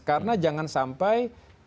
karena jangan sampai